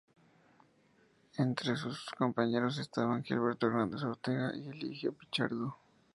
Entres sus compañeros estaban Gilberto Hernández Ortega y Eligio Pichardo.